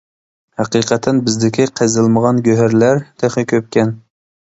ھەقىقەتەن بىزدىكى قېزىلمىغان گۆھەرلەر تېخى كۆپكەن.